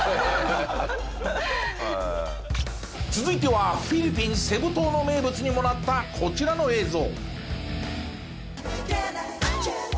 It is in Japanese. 続いてはフィリピンセブ島の名物にもなったこちらの映像。